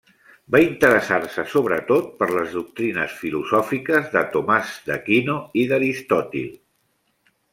Va interessar-se sobretot per les doctrines filosòfiques de Tomàs d'Aquino i d'Aristòtil.